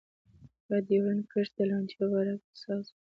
هغه د ډیورنډ کرښې د لانجې په باره کې حساس و.